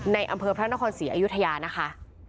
ในอำเภอพระนครศรีอยุธยานะคะ